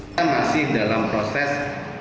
kita masih dalam proses